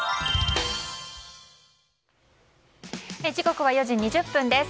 時刻は４時２０分です。